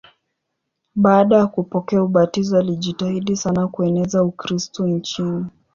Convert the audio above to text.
Baada ya kupokea ubatizo alijitahidi sana kueneza Ukristo nchini.